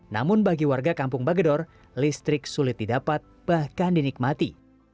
namun bagi warga kampung bagedor listrik sulit didapat bahkan dinikmati